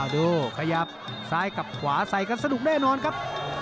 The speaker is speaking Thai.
ขยับซ้ายกับขวาใส่กันสนุกแน่นอนครับ